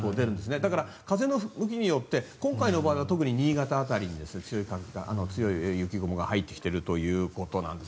だから風の向きによって今回の場合は新潟辺りに強い雪雲が入ってきているということです。